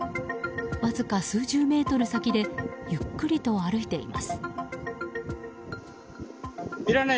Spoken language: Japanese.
わずか数十メートル先でゆっくりと歩いています。